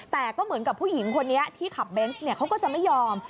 แต่ก็เหมือนกับผู้หญิงคนนี้ที่ขับเบนส์เขาก็จะไม่ยอม